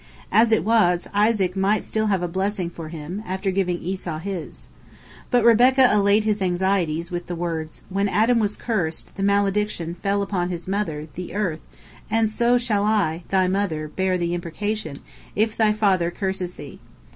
As it was, Isaac might still have a blessing for him, after giving Esau his. But Rebekah allayed his anxieties, with the words: "When Adam was cursed, the malediction fell upon his mother, the earth, and so shall I, thy mother, bear the imprecation, if thy father curses thee.